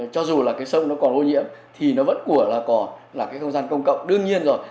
cho dù là cái sông nó còn ô nhiễm thì nó vẫn của là có là cái không gian công cộng đương nhiên rồi